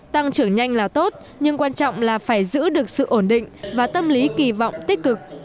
tăng trưởng nhanh là tốt nhưng quan trọng là phải giữ được sự ổn định và tâm lý kỳ vọng tích cực